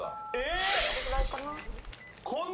このぐらいかな。